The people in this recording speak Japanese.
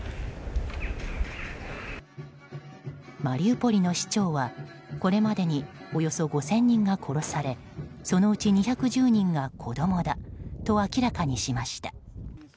マリウポリの市長はこれまでにおよそ５０００人が殺されそのうち２１０人が子供だと明らかにしました。